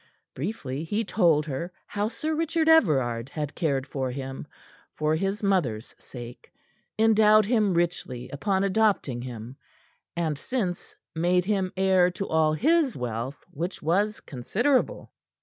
Briefly he told her how Sir Richard Everard had cared for him, for his mother's sake; endowed him richly upon adopting him, and since made him heir to all his wealth, which was considerable.